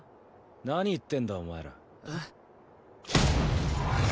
何言ってんだお前ら。えっ？えっ？